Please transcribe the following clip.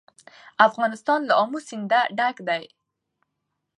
افغانستان له آمو سیند ډک دی.